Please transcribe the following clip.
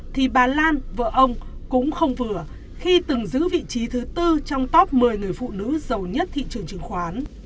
thì bà lan vợ ông cũng không vừa khi từng giữ vị trí thứ tư trong top một mươi người phụ nữ giàu nhất việt nam